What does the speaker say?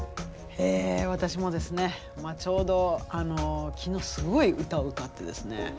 え私もですねちょうど昨日すごい歌を歌ってですね。